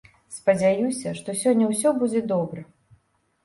Спадзяюся, што сёння ўсё будзе добра.